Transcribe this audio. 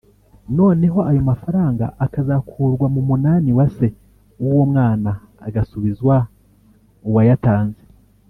noneho ayo mafaranga akazakurwa mu munani wa se w’uwo mwana agasubizwa uwayatanze